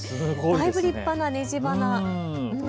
だいぶ立派な、ねじばな。